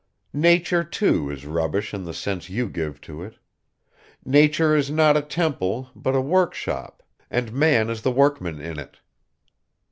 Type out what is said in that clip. "Nature, too, is rubbish in the sense you give to it. Nature is not a temple but a workshop, and man is the workman in it."